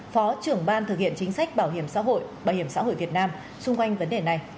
phó trưởng ban thực hiện chính sách bảo hiểm xã hội việt nam xung quanh vấn đề này